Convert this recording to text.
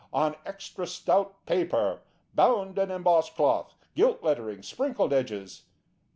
On extra stout paper, bound in embossed cloth, gilt lettering, sprinkled edges.